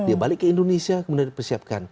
dia balik ke indonesia kemudian dipersiapkan